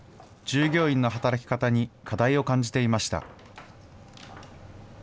従業員の働き方に課題を感じていました。